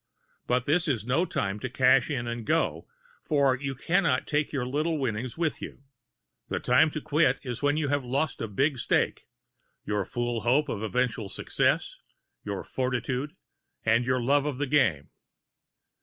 But this is no time to "cash in" and go, for you can not take your little winning with you. The time to quit is when you have lost a big stake, your fool hope of eventual success, your fortitude and your love of the game.